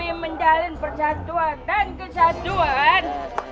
kami menjalin persatuan dan kesatuan